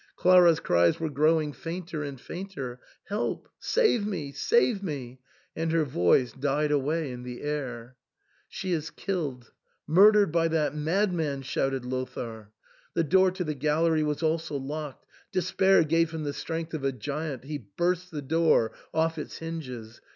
Clara's cries were growing fainter and fainter, —" Help ! save me ! save me !" and her voice died away in the air. " She is killed — mur dered by that madman," shouted Lothair. The door to the gallery was also locked. Despair gave him the strength of a giant ; he burst the door off its hinges.